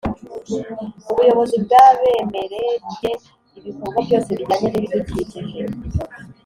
Ubuyobozi bwabemeredye ibikorwa byose bijyanye n’ibidukikije